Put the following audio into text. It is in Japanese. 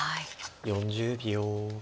４０秒。